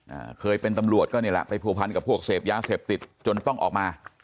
อ่าเคยเป็นตำรวจก็นี่แหละไปผัวพันกับพวกเสพยาเสพติดจนต้องออกมา